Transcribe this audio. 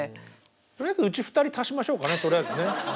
とりあえずうち２人足しましょうかねとりあえずね。